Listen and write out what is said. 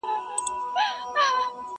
شپه تپېږم تر سهاره لکه مار پر زړه وهلی.!